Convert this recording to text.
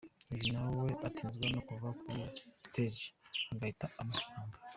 Uyu nawe atinzwa no kuva kuri ‘stage’ agahita amusanga.